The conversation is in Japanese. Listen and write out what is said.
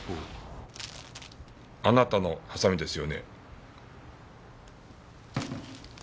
あなたのハサミですよね？